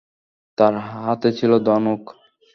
তার হাতে ছিল ধনুক।